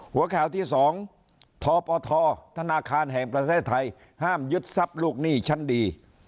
หัวข่าวที่๒ทปทธนาคารแห่งประเทศไทยห้ามยึดทรัพย์ลูกหนี้ชั้นดี